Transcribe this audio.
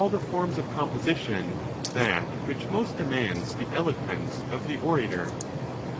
401 forms of composition that which most demands the eloquence of the orator.